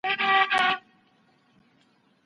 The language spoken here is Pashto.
دغه نرمغالی چي دی، د هر چا دپاره ګټور کېدای سي.